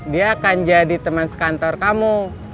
dia akan jadi teman sekantor kamu